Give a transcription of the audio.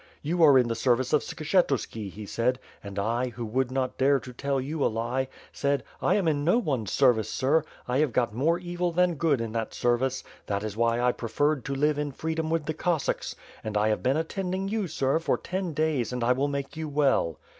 'You are in the service of Skshetuski,' he said; and I, who would not dare to tell you a lie, said *I am in no one's service, sir, I have got more evil than good in that service; that is why I preferred to live in freedom with the Cossacks; and I have been attending you, sir, for ten days and I will make you well.'